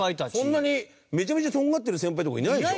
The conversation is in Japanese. そんなにめちゃめちゃトガってる先輩とかいないでしょ。